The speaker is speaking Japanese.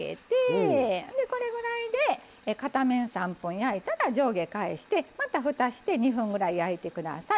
これぐらいで片面３分焼いたら上下返してまたふたして２分ぐらい焼いて下さい。